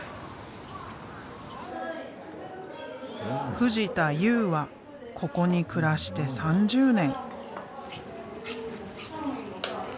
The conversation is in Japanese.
藤田雄はここに暮らして３０年。